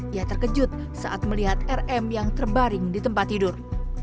ia terkejut saat melihat rm yang terbaring di tempat tidur